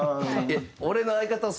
いや俺の相方を。